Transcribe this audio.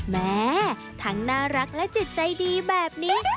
แม้ทั้งน่ารักและจิตใจดีแบบนี้